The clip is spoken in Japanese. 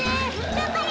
がんばれ！